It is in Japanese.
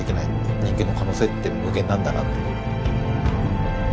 人間の可能性って無限なんだなと。